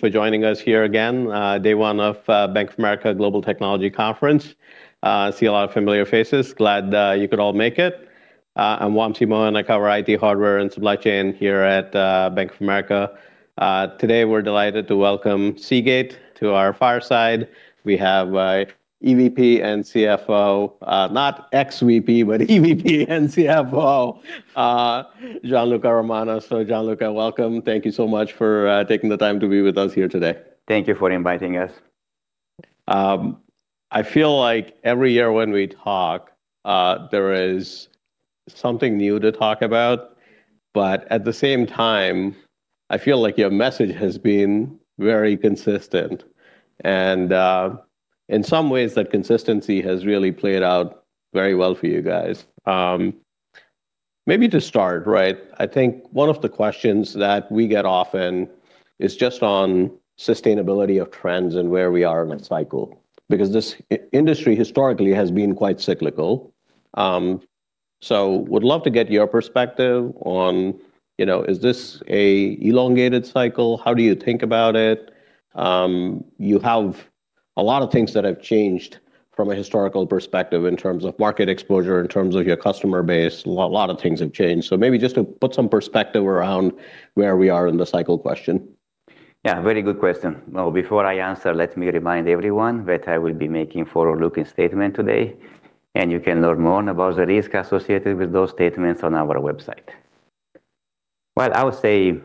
For joining us here again, day one of Bank of America Global Technology Conference. I see a lot of familiar faces. Glad that you could all make it. I'm Wamsi Mohan. I cover IT hardware and supply chain here at Bank of America. Today, we're delighted to welcome Seagate to our fireside. We have EVP and CFO, not ex-VP, but EVP and CFO Gianluca Romano. Gianluca, welcome. Thank you so much for taking the time to be with us here today. Thank you for inviting us. I feel like every year when we talk, there is something new to talk about, but at the same time, I feel like your message has been very consistent, and in some ways, that consistency has really played out very well for you guys. Maybe to start, I think one of the questions that we get often is just on sustainability of trends and where we are in the cycle, because this industry historically has been quite cyclical. Would love to get your perspective on, is this a elongated cycle? How do you think about it? You have a lot of things that have changed from a historical perspective in terms of market exposure, in terms of your customer base. A lot of things have changed. Maybe just to put some perspective around where we are in the cycle question. Yeah, very good question. Well, before I answer, let me remind everyone that I will be making forward-looking statement today, and you can learn more about the risk associated with those statements on our website. Well, I would say,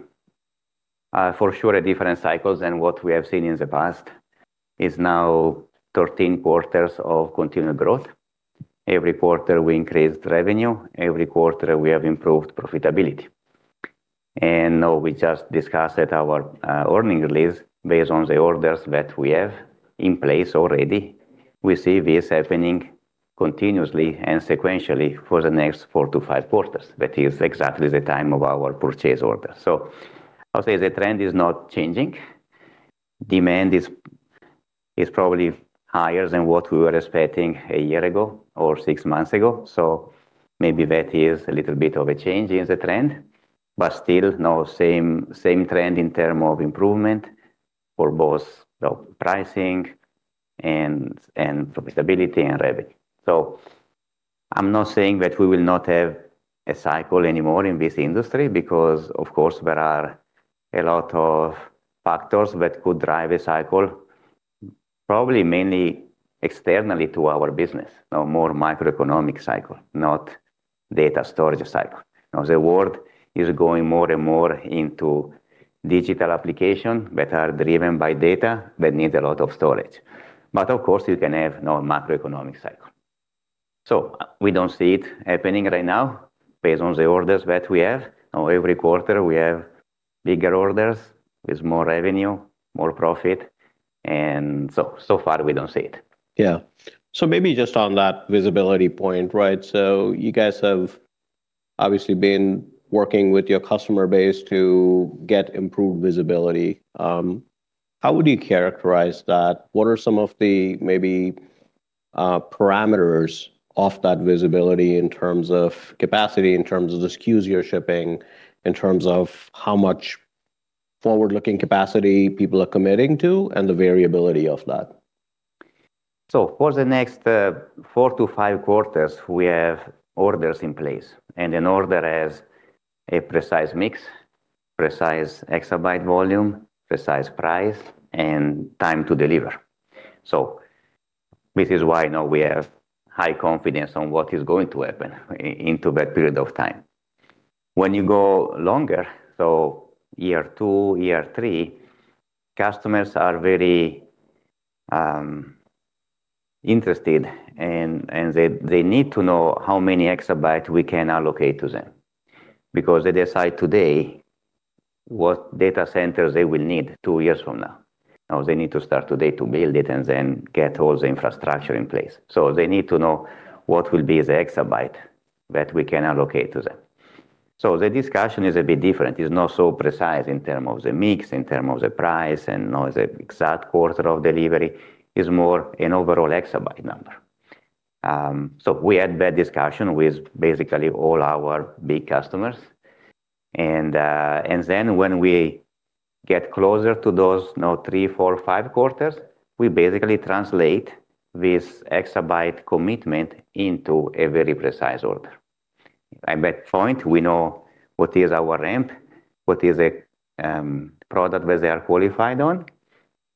for sure a different cycle than what we have seen in the past is now 13 quarters of continual growth. Every quarter, we increased revenue. Every quarter, we have improved profitability. Now we just discussed at our earnings release based on the orders that we have in place already, we see this happening continuously and sequentially for the next four to five quarters. That is exactly the time of our purchase order. I'll say the trend is not changing. Demand is probably higher than what we were expecting a year ago or six months ago. Maybe that is a little bit of a change in the trend, but still now same trend in terms of improvement for both pricing and profitability and revenue. I'm not saying that we will not have a cycle anymore in this industry because of course there are a lot of factors that could drive a cycle, probably mainly externally to our business, more microeconomic cycle, not data storage cycle. Now the world is going more and more into digital applications that are driven by data that need a lot of storage. Of course you can have no macroeconomic cycle. We don't see it happening right now based on the orders that we have. Every quarter we have bigger orders with more revenue, more profit, and so far we don't see it. Yeah. Maybe just on that visibility point. You guys have obviously been working with your customer base to get improved visibility. How would you characterize that? What are some of the maybe parameters of that visibility in terms of capacity, in terms of the SKUs you're shipping, in terms of how much forward-looking capacity people are committing to and the variability of that? For the next four to five quarters, we have orders in place, and an order has a precise mix, precise exabyte volume, precise price, and time to deliver. This is why now we have high confidence on what is going to happen into that period of time. When you go longer, so year two, year three, customers are very interested, and they need to know how many exabyte we can allocate to them because they decide today what data centers they will need two years from now. Now they need to start today to build it and then get all the infrastructure in place. They need to know what will be the exabyte that we can allocate to them. The discussion is a bit different, is not so precise in terms of the mix, in terms of the price, and know the exact quarter of delivery, is more an overall exabyte number. We had that discussion with basically all our big customers, and then when we get closer to those now three, four, five quarters, we basically translate this exabyte commitment into a very precise order. At that point, we know what is our ramp, what is a product that they are qualified on,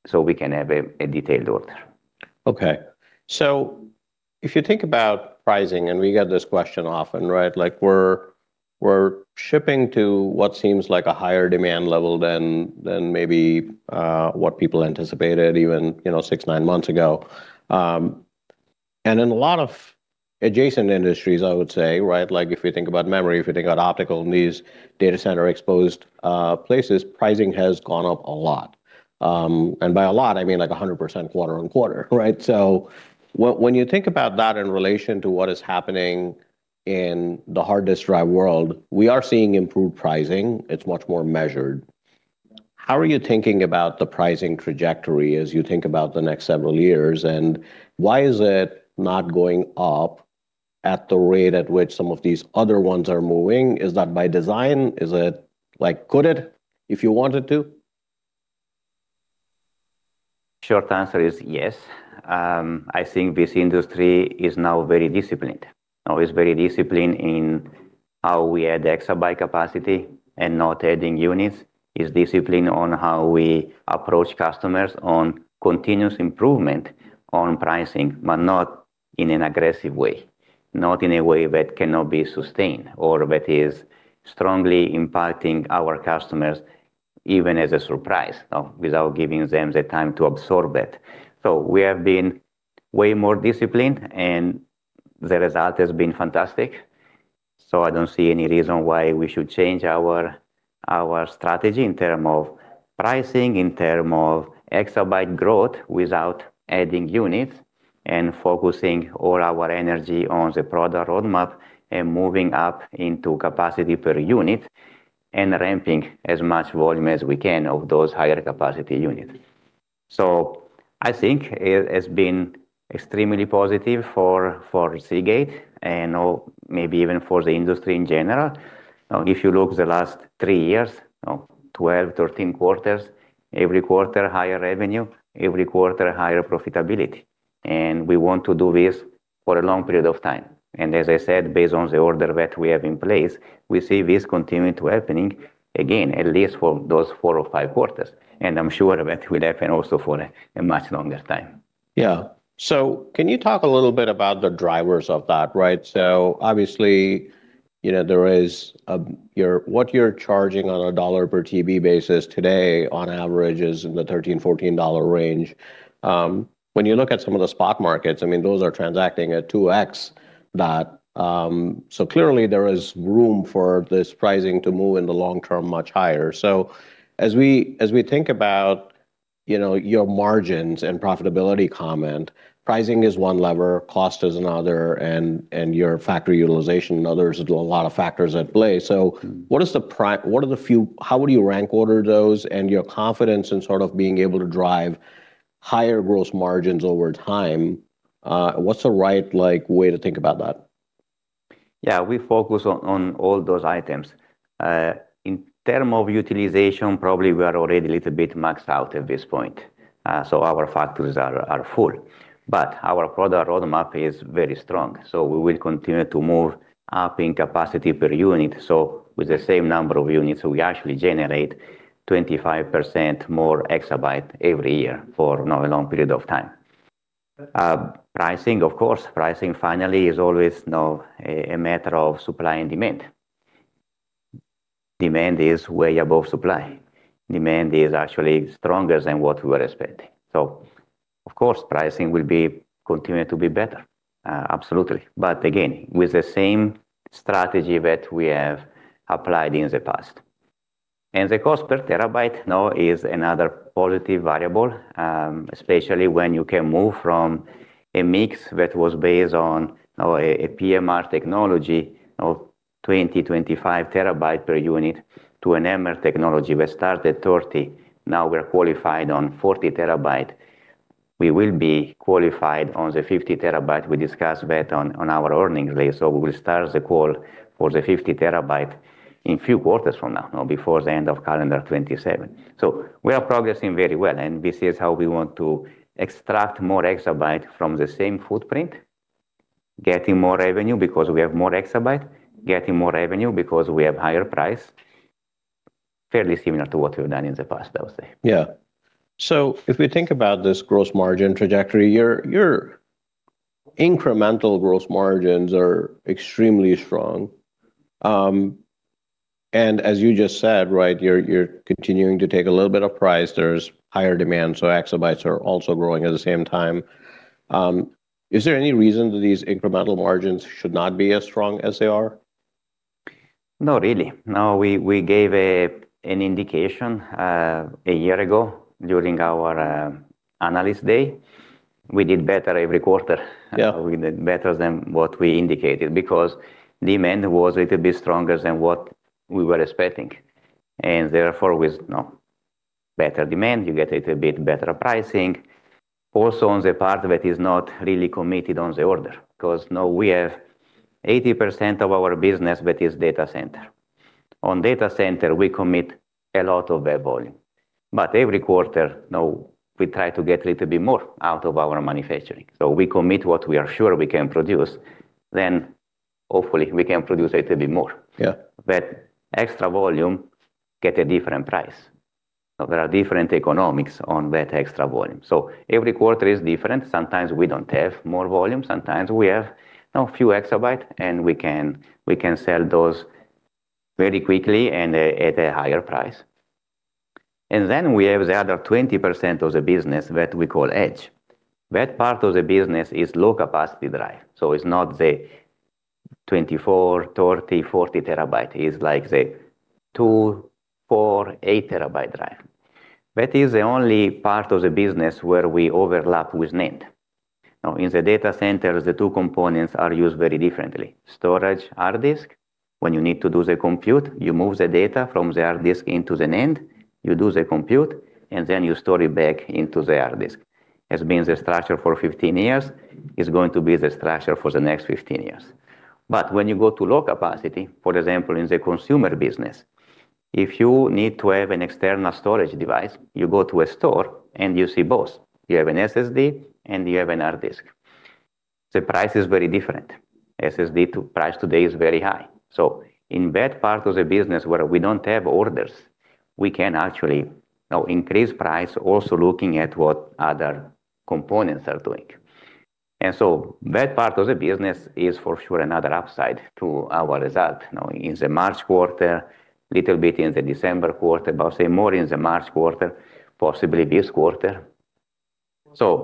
so we can have a detailed order. Okay. If you think about pricing, we get this question often. We're shipping to what seems like a higher demand level than maybe what people anticipated even six, nine months ago. In a lot of adjacent industries, I would say, if we think about memory, if we think about optical needs, data center exposed places, pricing has gone up a lot. By a lot, I mean like 100% quarter on quarter, right? When you think about that in relation to what is happening in the hard disk drive world, we are seeing improved pricing. It's much more measured. How are you thinking about the pricing trajectory as you think about the next several years, and why is it not going up at the rate at which some of these other ones are moving, is that by design? Could it, if you wanted to? Short answer is yes. I think this industry is now very disciplined. Now is very disciplined in how we add exabyte capacity and not adding units. Is disciplined on how we approach customers on continuous improvement on pricing, but not in an aggressive way, not in a way that cannot be sustained or that is strongly impacting our customers, even as a surprise, without giving them the time to absorb it. We have been way more disciplined, and the result has been fantastic. I don't see any reason why we should change our strategy in term of pricing, in term of exabyte growth without adding units, and focusing all our energy on the product roadmap and moving up into capacity per unit and ramping as much volume as we can of those higher capacity units. I think it has been extremely positive for Seagate and maybe even for the industry in general. If you look the last three years, 12, 13 quarters, every quarter higher revenue, every quarter higher profitability. We want to do this for a long period of time. As I said, based on the order that we have in place, we see this continuing to happening again, at least for those four or five quarters. I'm sure that will happen also for a much longer time. Yeah. Can you talk a little bit about the drivers of that? Obviously, what you're charging on a $ per TB basis today, on average, is in the $13, $14 range. When you look at some of the spot markets, those are transacting at 2x that. Clearly there is room for this pricing to move in the long term, much higher. As we think about your margins and profitability comment, pricing is one lever, cost is another, and your factory utilization and others, there's a lot of factors at play. How would you rank order those and your confidence in sort of being able to drive higher gross margins over time? What's the right way to think about that? Yeah, we focus on all those items. In terms of utilization, probably we are already a little bit max out at this point. Our factories are full. Our product roadmap is very strong, we will continue to move up in capacity per unit. With the same number of units, we actually generate 25% more exabyte every year for a long period of time. Pricing, of course, pricing finally is always now a matter of supply and demand. Demand is way above supply. Demand is actually stronger than what we were expecting. Of course, pricing will continue to be better. Absolutely. Again, with the same strategy that we have applied in the past. The cost per terabyte now is another quality variable, especially when you can move from a mix that was based on a PMR technology of 20, 25 terabyte per unit to an HAMR technology that started 30, now we're qualified on 40 terabyte. We will be qualified on the 50 terabyte. We discussed that on our earnings day. We will start the call for the 50 terabyte in few quarters from now, before the end of calendar 2027. We are progressing very well, and this is how we want to extract more exabyte from the same footprint, getting more revenue because we have more exabyte, getting more revenue because we have higher price, fairly similar to what we've done in the past, I would say. Yeah. If we think about this gross margin trajectory, your incremental gross margins are extremely strong. As you just said, you're continuing to take a little bit of price. There's higher demand, so exabytes are also growing at the same time. Is there any reason that these incremental margins should not be as strong as they are? Not really. No, we gave an indication a year ago during our Analyst Day. We did better every quarter. Yeah. We did better than what we indicated because demand was a little bit stronger than what we were expecting. Therefore with better demand, you get a little bit better pricing. On the part that is not really committed on the order, because now we have 80% of our business that is data center. On data center, we commit a lot of that volume. Every quarter, now we try to get a little bit more out of our manufacturing. We commit what we are sure we can produce, then hopefully we can produce a little bit more. Yeah. That extra volume get a different price. There are different economics on that extra volume. Every quarter is different. Sometimes we don't have more volume. Sometimes we have a few exabyte, and we can sell those very quickly and at a higher price. Then we have the other 20% of the business that we call edge. That part of the business is low-capacity drive. It's not the 24, 30, 40 terabyte. It's like the two, four, eight terabyte drive. That is the only part of the business where we overlap with NAND. Now, in the data center, the two components are used very differently. Storage, hard disk. When you need to do the compute, you move the data from the hard disk into the NAND, you do the compute, and then you store it back into the hard disk. It's been the structure for 15 years, it's going to be the structure for the next 15 years. When you go to low capacity, for example, in the consumer business, if you need to have an external storage device, you go to a store and you see both. You have an SSD and you have an hard disk. The price is very different. SSD price today is very high. In that part of the business where we don't have orders, we can actually now increase price, also looking at what other components are doing. That part of the business is for sure another upside to our result. Now, in the March quarter, little bit in the December quarter, but I say more in the March quarter, possibly this quarter.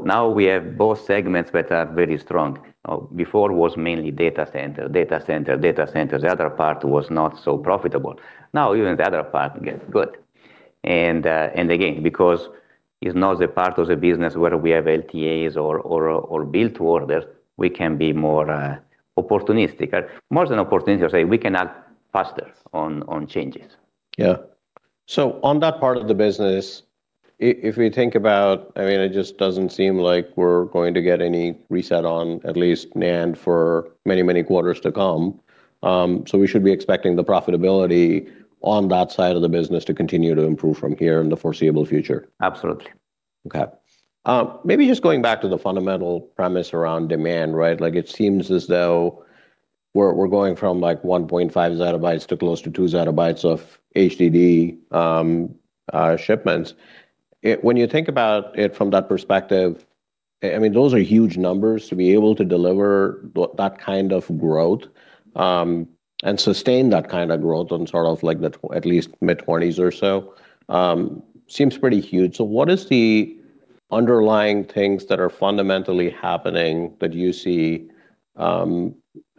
Now we have both segments that are very strong. Before it was mainly data center, data center, data center. The other part was not so profitable. Now, even the other part gets good. Again, because it's not the part of the business where we have LTAs or build to order, we can be more opportunistic. More than opportunistic, say we can act faster on changes. Yeah. On that part of the business, if we think about, it just doesn't seem like we're going to get any reset on at least NAND for many, many quarters to come. We should be expecting the profitability on that side of the business to continue to improve from here in the foreseeable future. Absolutely. Okay. Maybe just going back to the fundamental premise around demand, right? It seems as though we're going from 1.5 zettabytes to close to two zettabytes of HDD shipments. When you think about it from that perspective, those are huge numbers to be able to deliver that kind of growth, and sustain that kind of growth on sort of, at least mid-20s or so, seems pretty huge. What is the underlying things that are fundamentally happening that you see,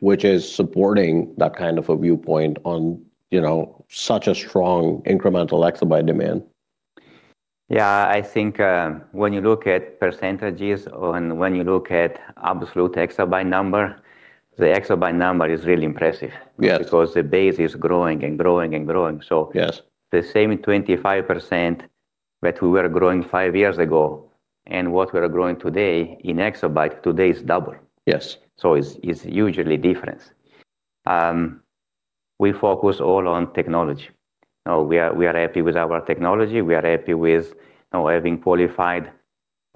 which is supporting that kind of a viewpoint on such a strong incremental exabyte demand? Yeah, I think, when you look at percentages and when you look at absolute exabyte number, the exabyte number is really impressive. Yes. The base is growing and growing and growing. Yes. The same 25% that we were growing five years ago and what we are growing today in exabyte, today is double. Yes. It's hugely different. We focus all on technology. We are happy with our technology. We are happy with now having qualified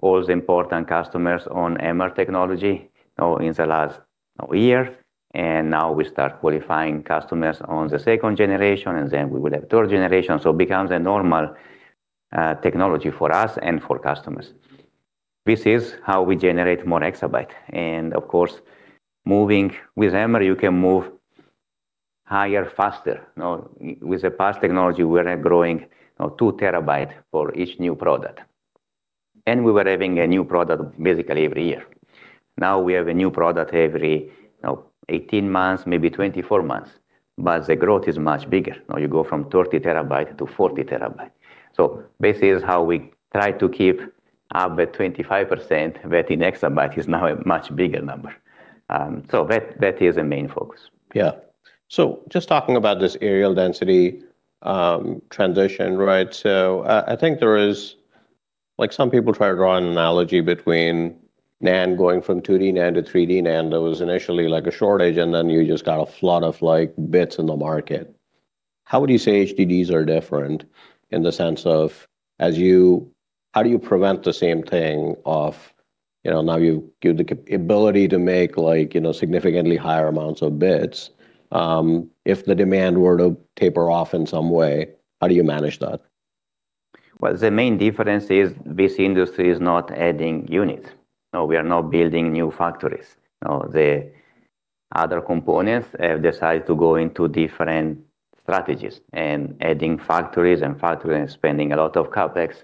all the important customers on MR technology in the last year. We start qualifying customers on the 2nd generation, then we will have 3rd generation. It becomes a normal technology for us and for customers. This is how we generate more exabyte. Of course, with MR, you can move higher faster. With the past technology, we were growing two terabyte for each new product. We were having a new product basically every year. We have a new product every 18 months, maybe 24 months. The growth is much bigger. You go from 30 terabyte to 40 terabyte. This is how we try to keep up with 25%, that in exabyte is now a much bigger number. That is the main focus. Yeah. Just talking about this areal density transition, right? Some people try to draw an analogy between NAND going from 2D NAND to 3D NAND. There was initially a shortage, and then you just got a flood of bits in the market. How would you say HDDs are different in the sense of, how do you prevent the same thing of, now you give the ability to make significantly higher amounts of bits, if the demand were to taper off in some way, how do you manage that? Well, the main difference is this industry is not adding units. Now we are not building new factories. Now the other components have decided to go into different strategies and adding factories and spending a lot of CapEx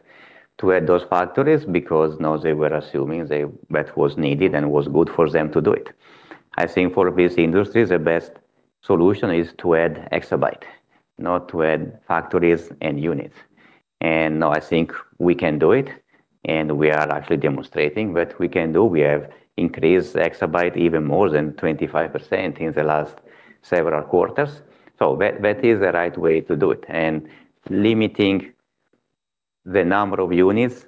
to add those factories because now they were assuming that was needed and was good for them to do it. I think for this industry, the best solution is to add exabyte, not to add factories and units. Now I think we can do it, and we are actually demonstrating that we can do. We have increased exabyte even more than 25% in the last several quarters. That is the right way to do it. Limiting the number of units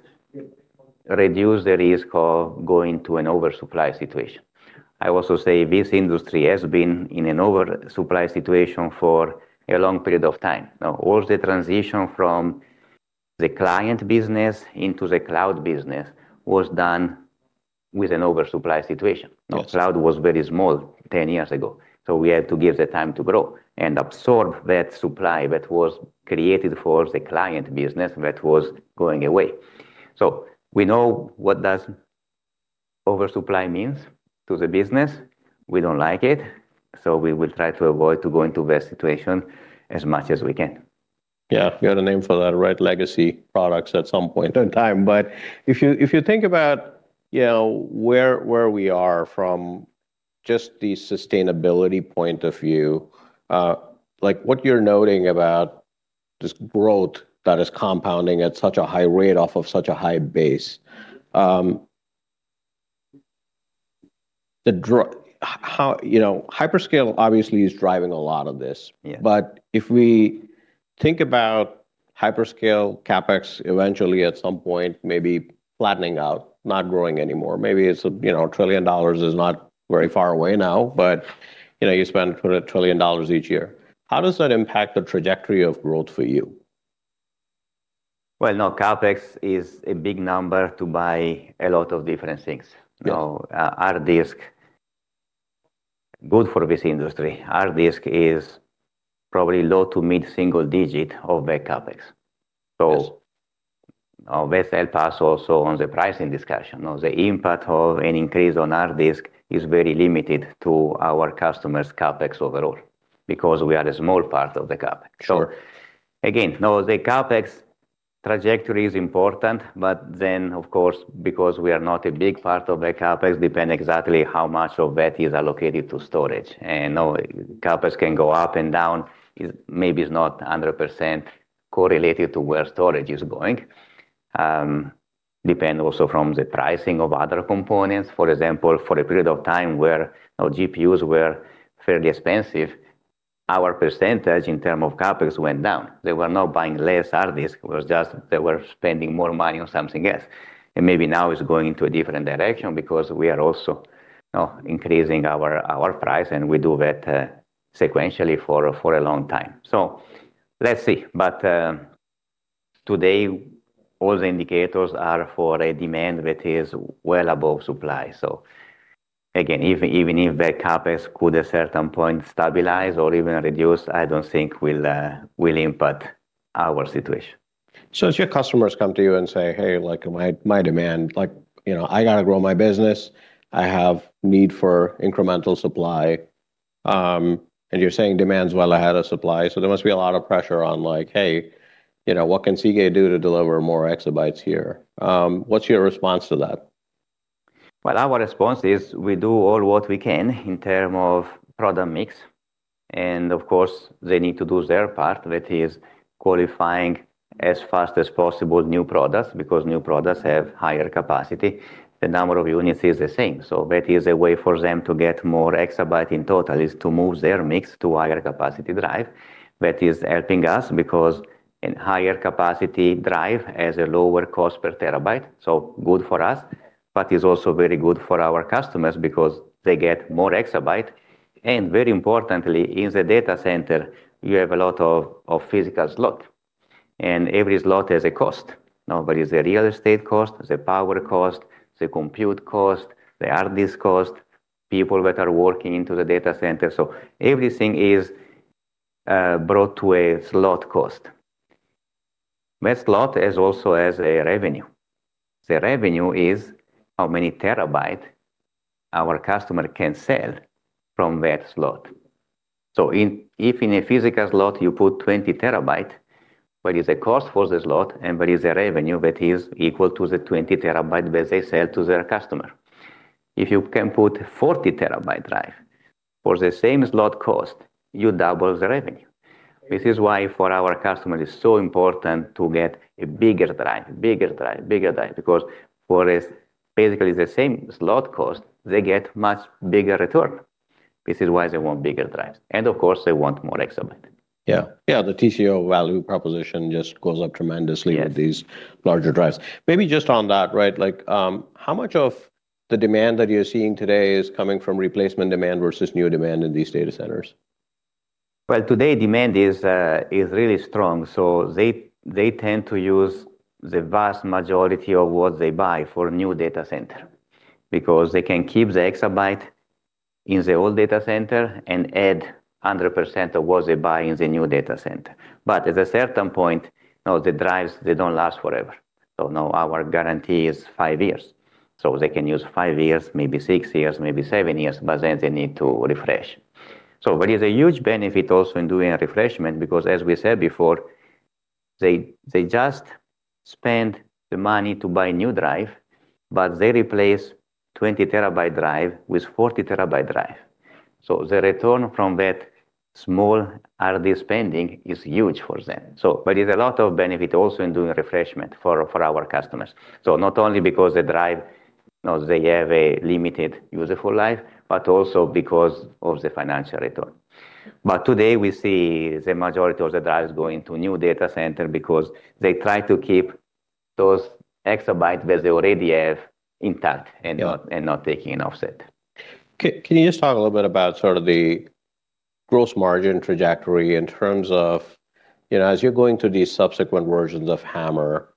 reduce the risk of going to an oversupply situation. I also say this industry has been in an oversupply situation for a long period of time. All the transition from the client business into the cloud business was done with an oversupply situation. Yes. Cloud was very small 10 years ago, we had to give the time to grow and absorb that supply that was created for the client business that was going away. We know what does oversupply means to the business. We don't like it, we will try to avoid to go into that situation as much as we can. Yeah. You got a name for that, right? Legacy products at some point in time. If you think about where we are from just the sustainability point of view, what you're noting about this growth that is compounding at such a high rate off of such a high base-Hyperscale obviously is driving a lot of this. Yeah. If we think about hyperscale CapEx eventually at some point, maybe flattening out, not growing anymore. Maybe $1 trillion is not very far away now, but you spend $1 trillion each year. How does that impact the trajectory of growth for you? Well, no, CapEx is a big number to buy a lot of different things. Yes. Our disk, good for this industry, hard disk is probably low to mid-single digit of that CapEx. Yes. This help us also on the pricing discussion. The impact of an increase on hard disk is very limited to our customers' CapEx overall, because we are a small part of the CapEx. Sure. The CapEx trajectory is important, then, of course, because we are not a big part of the CapEx, depend exactly how much of that is allocated to storage. CapEx can go up and down, maybe it's not 100% correlated to where storage is going. Depend also from the pricing of other components. For example, for a period of time where GPUs were fairly expensive, our percentage in term of CapEx went down. They were not buying less hard disk, it was just they were spending more money on something else. Maybe now it's going into a different direction because we are also increasing our price, and we do that sequentially for a long time. Let's see. Today all the indicators are for a demand that is well above supply. Again, even if the CapEx could at certain point stabilize or even reduce, I don't think will impact our situation. As your customers come to you and say, "Hey, my demand, I got to grow my business. I have need for incremental supply." You're saying demand is well ahead of supply, so there must be a lot of pressure on, "Hey, what can Seagate do to deliver more exabytes here?" What's your response to that? Well, our response is we do all what we can in terms of product mix. Of course, they need to do their part, that is, qualifying as fast as possible new products, because new products have higher capacity. The number of units is the same. That is a way for them to get more exabyte in total, is to move their mix to higher capacity drive. That is helping us because in higher capacity drive has a lower cost per terabyte, so good for us. It is also very good for our customers because they get more exabyte. Very importantly, in the data center, you have a lot of physical slot. Every slot has a cost. Now, there is a real estate cost, the power cost, the compute cost, the hard disk cost, people that are working into the data center. Everything is brought to a slot cost. That slot is also as a revenue. The revenue is how many terabyte our customer can sell from that slot. If in a physical slot you put 20 terabyte, there is a cost for the slot, and there is a revenue that is equal to the 20 terabyte that they sell to their customer. If you can put 40 terabyte drive for the same slot cost, you double the revenue. This is why for our customer is so important to get a bigger drive, because for basically the same slot cost, they get much bigger return. This is why they want bigger drives, and of course, they want more exabyte. Yeah. The TCO value proposition just goes up tremendously. Yes with these larger drives. Maybe just on that, how much of the demand that you're seeing today is coming from replacement demand versus new demand in these data centers? Today demand is really strong, they tend to use the vast majority of what they buy for new data center. They can keep the exabyte in the old data center and add 100% of what they buy in the new data center. At a certain point, the drives, they don't last forever. Now our guarantee is five years. They can use five years, maybe six years, maybe seven years, they need to refresh. There is a huge benefit also in doing a refreshment because as we said before, they just spend the money to buy a new drive, they replace 20 terabyte drive with 40 terabyte drive. The return from that small hard disk spending is huge for them. There is a lot of benefit also in doing refreshment for our customers. Not only because the drive, they have a limited useful life, but also because of the financial return. Today we see the majority of the drives going to new data center because they try to keep those exabyte that they already have intact and not taking an offset. Can you just talk a little bit about sort of the gross margin trajectory in terms of, as you're going through these subsequent versions of HAMR,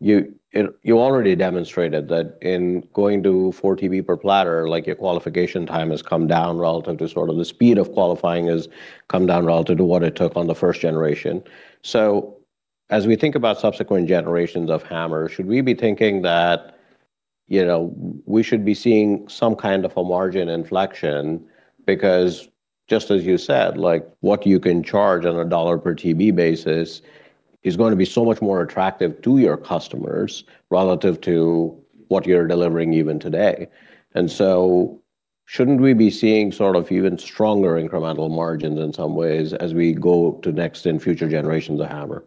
you already demonstrated that in going to four TB per platter, your qualification time has come down relative to sort of the speed of qualifying has come down relative to what it took on the first generation. As we think about subsequent generations of HAMR, should we be thinking that we should be seeing some kind of a margin inflection because just as you said, what you can charge on a $ per TB basis is going to be so much more attractive to your customers relative to what you're delivering even today. Shouldn't we be seeing sort of even stronger incremental margins in some ways as we go to next and future generations of HAMR?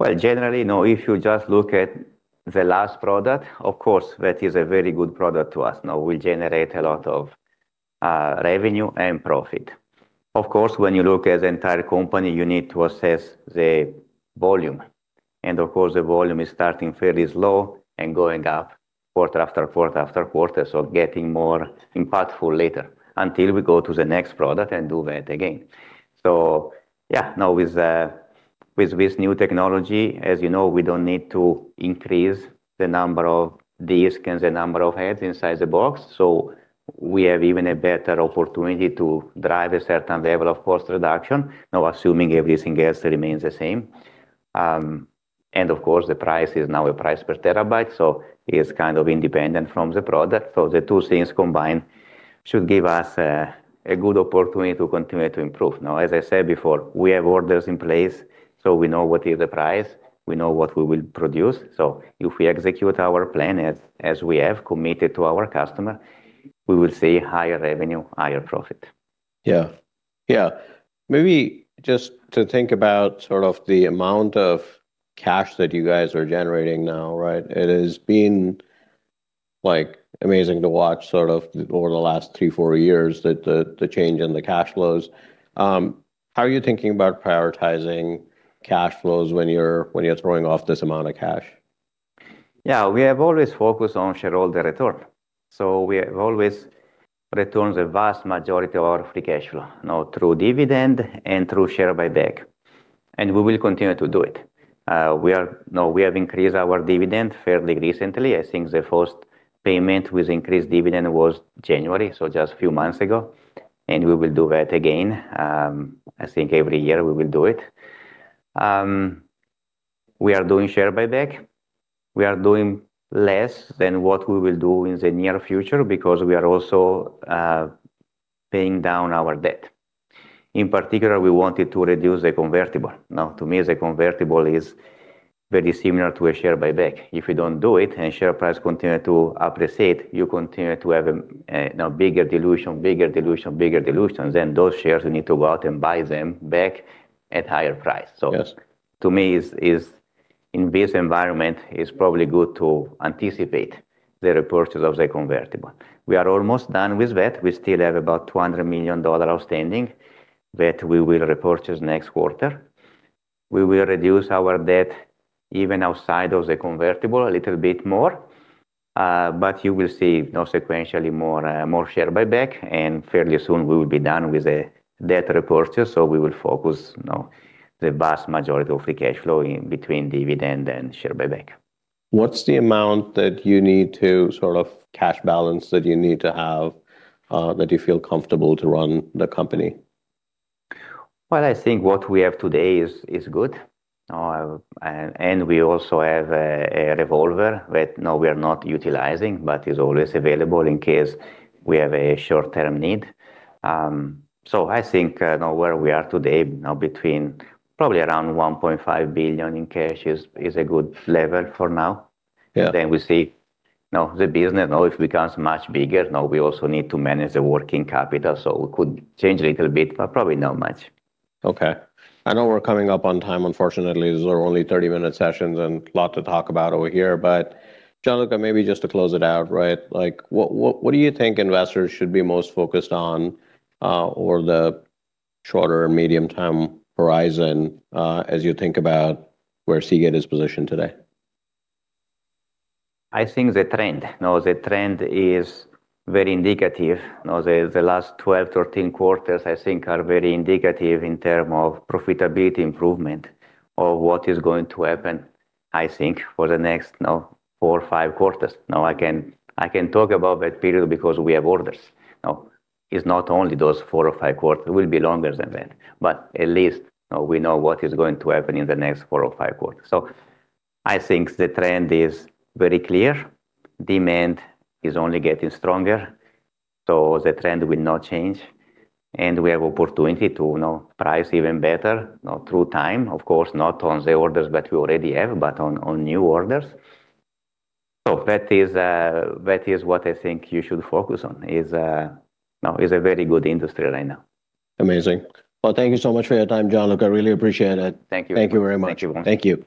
Well, generally, if you just look at the last product, of course, that is a very good product to us. Now we generate a lot of revenue and profit. Of course, when you look at the entire company, you need to assess the volume. Of course, the volume is starting fairly low and going up quarter after quarter after quarter, so getting more impactful later until we go to the next product and do that again. Yeah. Now with this new technology, as you know, we don't need to increase the number of disks and the number of heads inside the box, so we have even a better opportunity to drive a certain level of cost reduction, now assuming everything else remains the same. Of course, the price is now a price per terabyte, so it is kind of independent from the product. The two things combined should give us a good opportunity to continue to improve. Now, as I said before, we have orders in place, so we know what is the price, we know what we will produce. If we execute our plan as we have committed to our customer, we will see higher revenue, higher profit. Yeah. Maybe just to think about sort of the amount of cash that you guys are generating now, right? It has been amazing to watch sort of over the last three, four years, the change in the cash flows. How are you thinking about prioritizing cash flows when you're throwing off this amount of cash? Yeah. We have always focused on shareholder return. We have always returned the vast majority of free cash flow, through dividend and through share buyback. We will continue to do it. We have increased our dividend fairly recently. I think the first payment with increased dividend was January, so just a few months ago. We will do that again, I think every year we will do it. We are doing share buyback. We are doing less than what we will do in the near future because we are also paying down our debt. In particular, we wanted to reduce the convertible. To me, the convertible is very similar to a share buyback. If you don't do it and share price continue to appreciate, you continue to have a bigger dilution. Those shares, we need to go out and buy them back at higher price. Yes. To me, in this environment, it's probably good to anticipate the repurchase of the convertible. We are almost done with that. We still have about $200 million outstanding that we will repurchase next quarter. We will reduce our debt even outside of the convertible a little bit more. You will see now sequentially more share buyback, and fairly soon we will be done with the debt repurchase, so we will focus the vast majority of the cash flow in between dividend and share buyback. What's the amount, sort of cash balance that you need to have, that you feel comfortable to run the company? Well, I think what we have today is good. We also have a revolver that, now we are not utilizing, but is always available in case we have a short-term need. I think, where we are today, between probably around $1.5 billion in cash is a good level for now. Yeah. We see the business, now if it becomes much bigger, now we also need to manage the working capital, so we could change a little bit, but probably not much. Okay. I know we're coming up on time, unfortunately. These are only 30-minute sessions and lot to talk about over here. Gianluca, maybe just to close it out, right? What do you think investors should be most focused on over the shorter or medium-term horizon, as you think about where Seagate is positioned today? I think the trend. The trend is very indicative. The last 12, 13 quarters, I think, are very indicative in terms of profitability improvement of what is going to happen, I think, for the next four or five quarters. I can talk about that period because we have orders. It's not only those four or five quarters, it will be longer than that. At least we know what is going to happen in the next four or five quarters. I think the trend is very clear. Demand is only getting stronger, the trend will not change. We have opportunity to now price even better through time. Of course, not on the orders that we already have, on new orders. That is what I think you should focus on. It's a very good industry right now. Amazing. Well, thank you so much for your time, Gianluca. I really appreciate it. Thank you. Thank you very much. Thank you. Thank you.